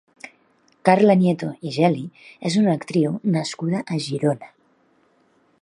Carla Nieto i Geli és una actriu nascuda a Girona.